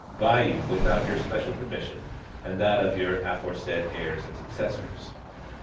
by you without your special permission and that of your afora said heirs and successors.